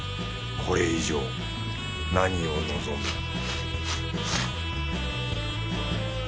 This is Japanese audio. これ以上何を望む